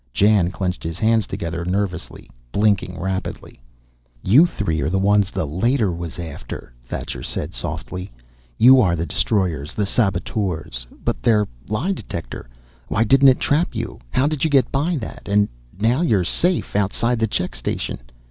Jan clenched his hands together nervously, blinking rapidly. "You three are the ones the Leiter was after," Thacher said softly. "You are the destroyers, the saboteurs. But their lie detector Why didn't it trap you? How did you get by that? And now you're safe, outside the check station."